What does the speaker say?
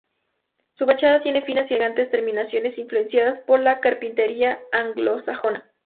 Su fachada tiene finas y elegantes terminaciones influenciadas por la carpintería anglosajona.